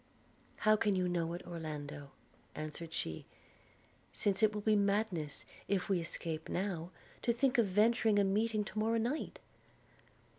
'How can you know it, Orlando,' answered she, 'since it will be madness, if we escape now, to think of venturing a meeting to morrow night?'